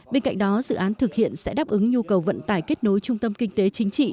bên cạnh đó dự án thực hiện sẽ đáp ứng nhu cầu vận tải kết nối trung tâm kinh tế chính trị